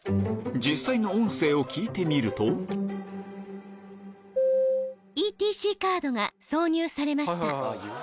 実際の音声を聞いてみるとＥＴＣカードが挿入されました。